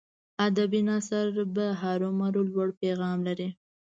ادبي نثر به هرو مرو لوړ پیغام لري.